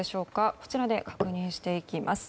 こちらで確認していきます。